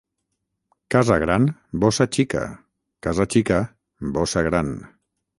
Casa gran, bossa xica; casa xica, bossa gran.